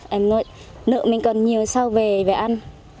em nói nợ mình còn nhiều sao về về ăn